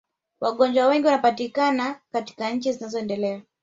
Wagonjwa wengi wanapatikana katika nchi zinazoendelea